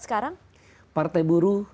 sekarang partai buruh